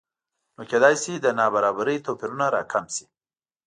نو کېدای شي د نابرابرۍ توپیرونه راکم شي